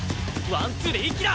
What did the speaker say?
ワンツーで一気だ！